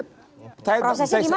prosesnya gimana untuk mencapai ke situ